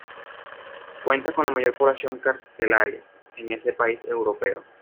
Cuenta con la mayor población carcelaria en ese país europeo.